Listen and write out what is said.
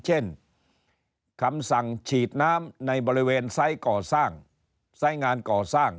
เช่นคำสั่งฉีดน้ำในบริเวณไซส์ก่อสร้างไซส์งานก่อสร้าง